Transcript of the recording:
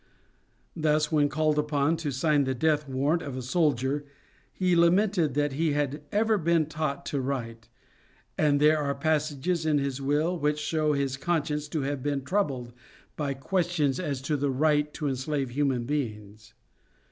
Thus when called upon to sign the death warrant of a soldier he lamented that he had ever been taught to write, and there are passages in his will which show his conscience to have been troubled by questions as to the right to enslave human beings.